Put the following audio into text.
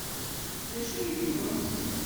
D acu ay d-yufa Meẓyan?